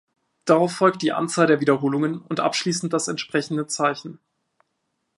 Darauf folgt die Anzahl der Wiederholungen und abschließend das entsprechende Zeichen.